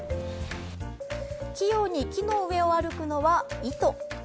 器用に木の上を歩くのはイト。